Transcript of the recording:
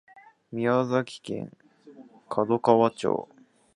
宮崎県門川町